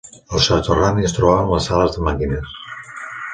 Al soterrani es trobaven les sales de màquines.